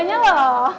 melalui kotanya loh